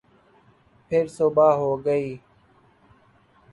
پھر صبح ہوگئی